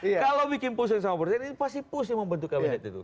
kalau bikin pusing sama presiden ini pasti pusing membentuk kabinet itu